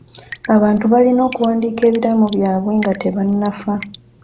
Abantu balina okuwandiika ebiraamo byabwe nga tebannafa.